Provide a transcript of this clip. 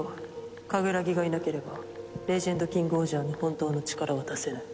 カグラギがいなければレジェンドキングオージャーの本当の力は出せない。